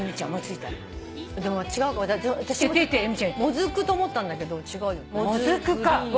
もずくと思ったんだけど違う。